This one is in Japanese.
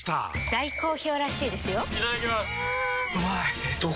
大好評らしいですよんうまい！